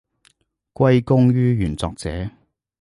歸功於原作者